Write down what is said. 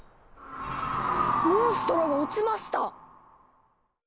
モンストロが落ちました！